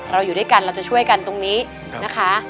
เราอยู่ด้วยกันเราจะช่วยกันตรงนี้นะคะ